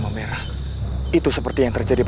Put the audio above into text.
ia akan patuh seguru di depan faitnya